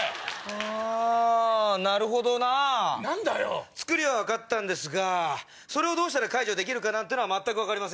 あなるほどなぁ。何だよ？作りは分かったんですがそれをどうしたら解除できるかは全く分かりません。